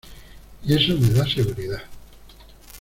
y eso me da seguridad.